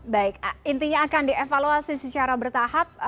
baik intinya akan dievaluasi secara bertahap